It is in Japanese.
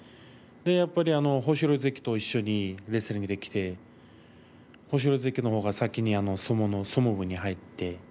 やっぱり豊昇龍関と一緒にレスリングで来て豊昇龍関のほうが先に相撲部に入って。